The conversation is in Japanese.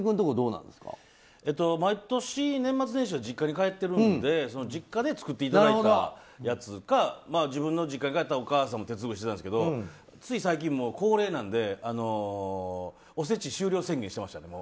毎年、年末年始は実家に帰ってるので実家で作っていただいたやつか自分の実家に帰ったらお母さんも手作りしてたんですけどつい最近、高齢なんでおせち終了宣言してました。